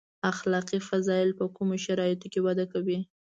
اخلاقي فضایل په کومو شرایطو کې وده کوي.